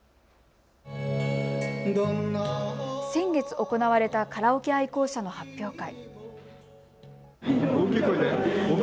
先月行われたカラオケ愛好者の発表会。